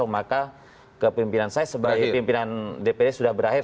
maka kepimpinan saya sebagai pimpinan dpd sudah berakhir